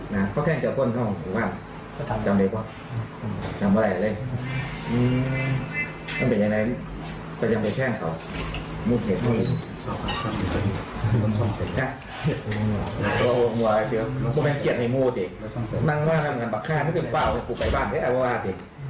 นับสนุนครับ